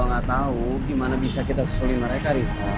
ya kalo gak tau gimana bisa kita susulin mereka riva